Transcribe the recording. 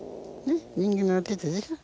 人間のおててでしょう。